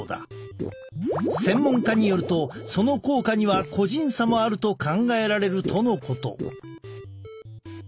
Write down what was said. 専門家によるとその効果には個人差もあると考えられるとのこと。